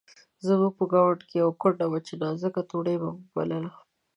زموږ په ګاونډ کې یوه کونډه وه چې نازکه توړۍ مو بلله.